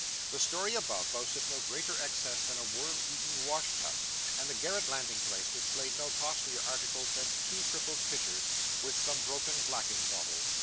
The story above, boasted no greater excess than a worm eaten wash tub; and the garret landing place displayed no costlier articles than two crippled pitchers, and some broken blacking bottles.